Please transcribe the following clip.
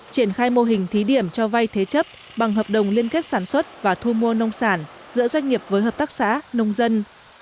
triển khai mô hình thí điểm cho vay thế chấp bằng hợp đồng liên kết sản xuất và thu mua nông sản giữa doanh nghiệp với hợp tác xã nông dân